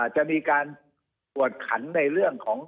จะมีการกวดขันในเรื่องของ